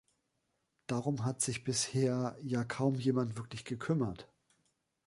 Darum hat sich bisher ja kaum jemand wirklich gekümmert.